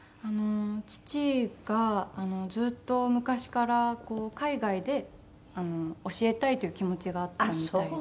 父がずっと昔から海外で教えたいという気持ちがあったみたいで。